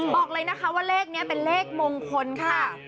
บอกเลยนะคะว่าเลขนี้เป็นเลขมงคลค่ะ